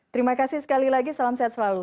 terima kasih sekali lagi salam sehat selalu